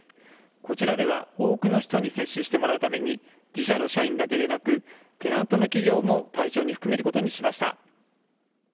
こちらでは多くの人に接種してもらうために、自社の社員だけでなく、テナントの企業も対象に含めることにしました。